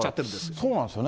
そうなんですよね。